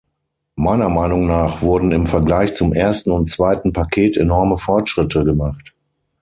Meiner Meinung nach wurden im Vergleich zum ersten und zweiten Paket enorme Fortschritte gemacht.